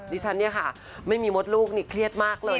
ดิฉันเนี่ยค่ะไม่มีมดลูกนี่เครียดมากเลย